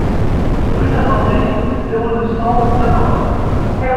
Rue Saint-André, zéro deux, cent Saint-Quentin